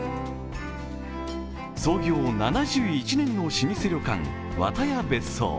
創業７１年の老舗旅館、和多屋別荘。